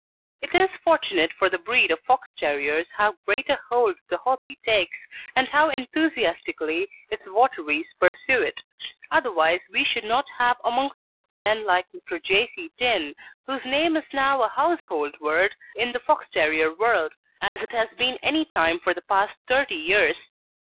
Sylvan Result Photograph by Revely] It is fortunate for the breed of Fox terriers how great a hold the hobby takes, and how enthusiastically its votaries pursue it, otherwise we should not have amongst us men like Mr. J. C. Tinne, whose name is now a household word in the Fox terrier world, as it has been any time for the past thirty years.